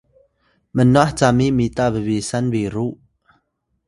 mnwah cami mita bbisan biru